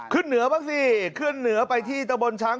ขึ้นเหนือบ้างสิขึ้นเหนือไปที่ตะบนช้าง